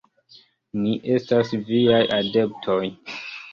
Ni estas viaj adeptoj.